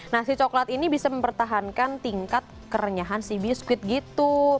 nah si coklat ini bisa mempertahankan tingkat kerenyahan si biskuit gitu